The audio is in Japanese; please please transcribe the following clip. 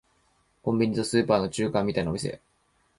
コンビニとスーパーの中間みたいなお店